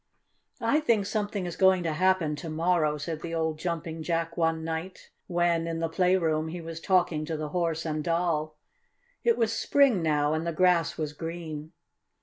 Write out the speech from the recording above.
"I think something is going to happen to morrow," said the old Jumping Jack one night, when, in the playroom, he was talking to the Horse and Doll. It was spring now, and the grass was green.